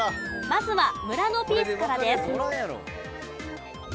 まずは村のピースからです。